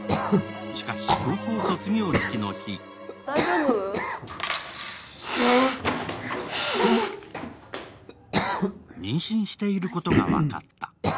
しかし、高校卒業式の日妊娠していることが分かった。